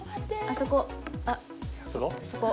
そこ。